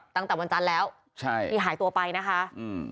ตั้งแต่วันจันทร์แล้วใช่ที่หายตัวไปนะคะอืม